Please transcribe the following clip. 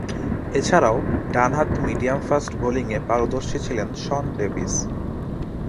এছাড়াও, ডানহাতে মিডিয়াম-ফাস্ট বোলিংয়ে পারদর্শী ছিলেন শন ডেভিস।